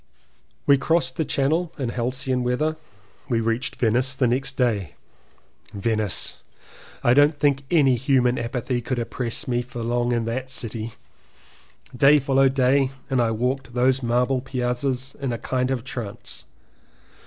We crossed the channel in Halcyon weather. We reached Venice the next day. Venice! I don't think any human apathy could oppress me for long in that city — day followed day and I walked those marble piazzas in a kind of trance.